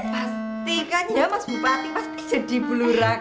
pasti kan ya mas bupati pasti jadi bulura kok